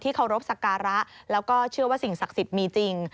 เคารพสักการะแล้วก็เชื่อว่าสิ่งศักดิ์สิทธิ์มีจริง